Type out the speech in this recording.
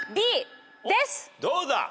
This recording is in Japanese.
どうだ？